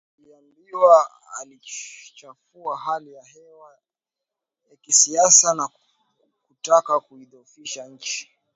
Tuliambiwa aliichafua hali ya hewa ya kisiasa na kutaka kuidhoofisha nchi